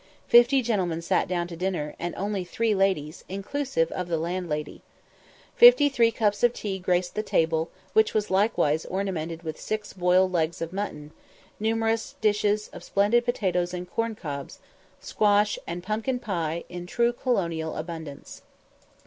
Fifty gentlemen sat down to dinner, and only three ladies, inclusive of the landlady. Fifty three cups of tea graced the table, which was likewise ornamented with six boiled legs of mutton, numerous dishes of splendid potatoes, and corn cobs, squash, and pumpkin pie, in true colonial abundance.